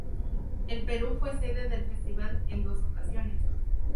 El Perú fue sede del Festival en dos ocasiones.